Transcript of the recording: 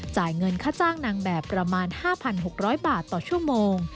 จ่ายเงินค่าจ้างนางแบบประมาณ๕๖๐๐บาทต่อชั่วโมง